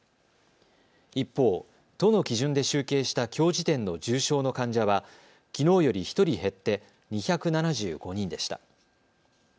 一方、都の基準で集計したきょう時点の重症の患者はきのうより１人減って２７５人でした。